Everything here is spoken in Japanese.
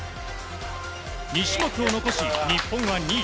２種目を残し日本は２位。